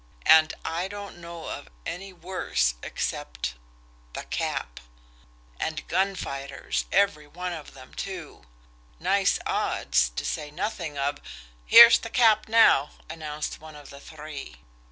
"And I don't know of any worse, except the Cap. And gun fighters, every one of them, too nice odds, to say nothing of " "Here's the Cap now!" announced one of the three.